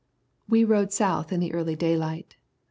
We rode south in the early daylight.